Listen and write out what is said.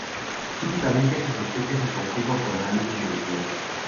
Típicamente esta sospecha se confirma por análisis molecular.